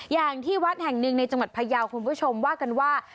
อย่างที่วัดแห่งหนึ่งในจังหวัดพยาวคุณผู้ชมว่ากันว่า